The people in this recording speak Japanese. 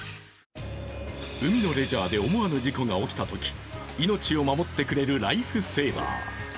海のレジャーで思わぬ事故が起きたとき命を守ってくれるライフセーバー。